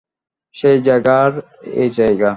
সেই জাগা আর এই জাগা।